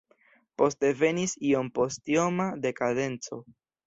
Poste venis iompostioma dekadenco.